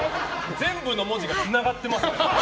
全部の文字がつながってますね。